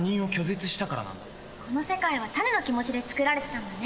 この世界はタネの気持ちでつくられてたんだね。